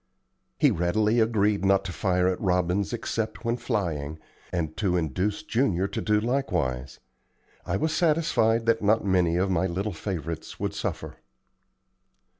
He readily agreed not to fire at robins except when flying, and to induce Junior to do likewise. I was satisfied that not many of my little favorites would suffer.